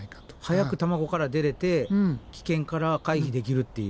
早く卵から出れて危険から回避できるっていう。